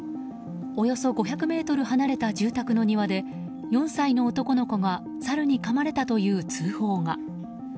およそ５００ｍ離れた住宅の庭で４歳の男の子がサルにかまれたという通報が。